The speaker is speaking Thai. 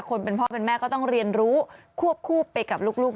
คนเป็นพ่อเป็นแม่ก็ต้องเรียนรู้ควบคู่ไปกับลูก